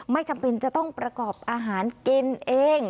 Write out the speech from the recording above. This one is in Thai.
ไม่จำเป็นจะต้องประกอบอาหารกินเอง